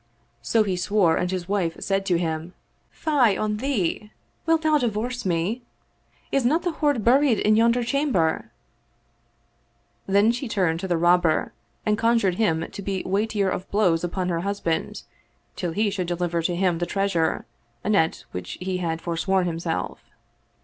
So he swore and his wife said to him, "Fie on thee! Wilt thou divorce me? Is not the hoard buried in yonder chamber? " Then she turned to the Rob ber and conjured him to be weightier of blows upon her husband, till he should deliver to him the treasure, anent which he had forsworn himself.